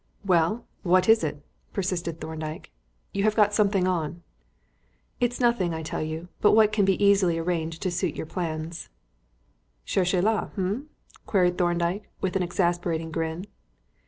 "Well, what is it?" persisted Thorndyke. "You have got something on." "It is nothing, I tell you, but what can be quite easily arranged to suit your plans." "Cherchez la h'm?" queried Thorndyke, with an exasperating grin.